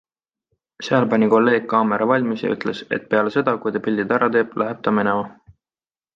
Seal pani kolleeg kaamera valmis ja ütles, et peale seda, kui ta pildid ära teeb, läheb ta minema.